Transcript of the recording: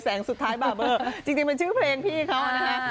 แสงสุดท้ายบ่าเบอร์จริงเป็นชื่อเพลงพี่เขานะครับ